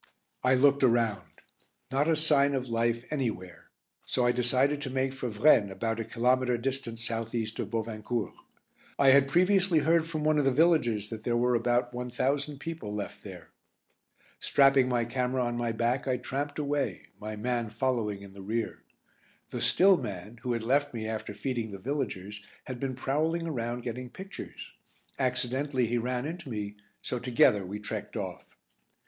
I looked around. Not a sign of life anywhere, so I decided to make for Vraignes about a kilometre distant south east of Bovincourt. I had previously heard from one of the villagers that there were about one thousand people left there. Strapping my camera on my back I tramped away, my man following in the rear. The "still" man, who had left me after feeding the villagers, had been prowling around getting pictures. Accidentally he ran into me, so together we trekked off.